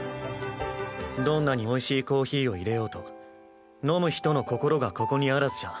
どんなにおいしいコーヒーをいれようと飲む人の心がここにあらずじゃ